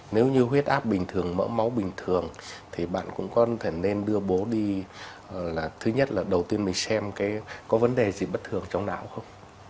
nếu như huyết áp bình thường mỡ máu bình thường thì bạn cũng có thể nên đưa bố đi là thứ nhất là đầu tiên mình xem có vấn đề gì bất thường trong não không